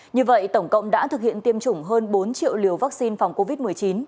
như vậy tổng cộng đã thực hiện tiêm chủng hơn bốn triệu liều vaccine phòng covid một mươi chín